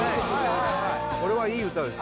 これはいい歌です